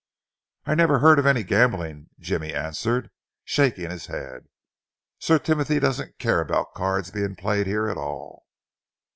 "I never heard of any gambling," Jimmy answered, shaking his head. "Sir Timothy doesn't care about cards being played here at all."